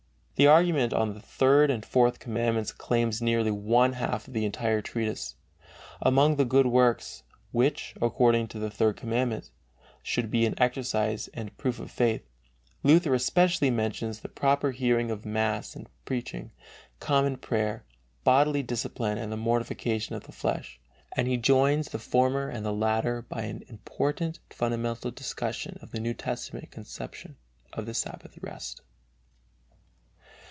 The argument on the Third and Fourth Commandments claims nearly one half of the entire treatise. Among the good works which, according to the Third Commandment, should be an exercise and proof of faith, Luther especially mentions the proper hearing of mass and of preaching, common prayer, bodily discipline and the mortification of the flesh, and he joins the former and the latter by an important fundamental discussion of the New Testament conception of Sabbath rest.